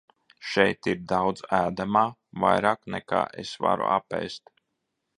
Šeit ir daudz ēdamā, vairāk nekā es varu apēst.